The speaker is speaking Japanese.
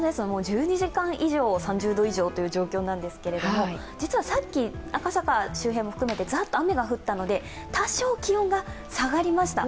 １２時間以上、３０度以上という状況なんですけれども実はさっき赤坂周辺も含めてざっと雨が降ったので多少、気温が下がりました。